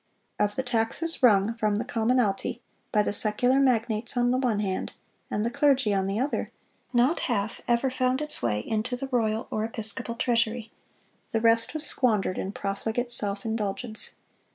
Of the taxes wrung from the commonalty, by the secular magnates on the one hand, and the clergy on the other, not half ever found its way into the royal or episcopal treasury; the rest was squandered in profligate self indulgence.